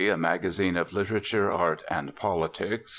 A MAGAZINE OF LITERATURE, ART, AND POLITICS.